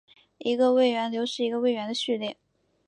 一个位元流是一个位元的序列。